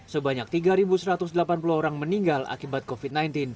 sebanyak tiga satu ratus delapan puluh orang meninggal akibat covid sembilan belas